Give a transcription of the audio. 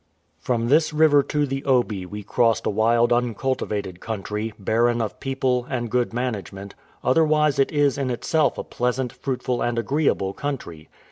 From this river to the Oby we crossed a wild uncultivated country, barren of people and good management, otherwise it is in itself a pleasant, fruitful, and agreeable country.